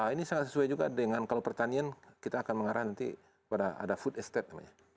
ini sangat sesuai juga dengan kalau pertanian kita akan mengarah nanti pada ada food estate namanya